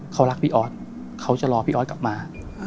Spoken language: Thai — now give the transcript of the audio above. เขารักพี่ออสเขาจะรอพี่ออสกลับมา